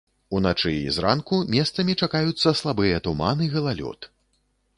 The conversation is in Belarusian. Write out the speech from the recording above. Уначы і зранку месцамі чакаюцца слабыя туман і галалёд.